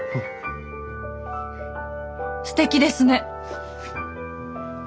すてきですね。